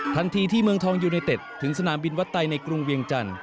ทันทีที่เมืองทองยูไนเต็ดถึงสนามบินวัดไตในกรุงเวียงจันทร์